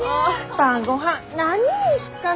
晩ごはん何にすっかな。